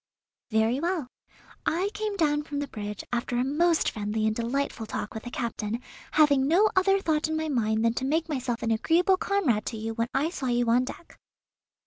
"Very well. I came down from the bridge after a most friendly and delightful talk with the captain, having no other thought in my mind than to make myself an agreeable comrade to you when I saw you on deck."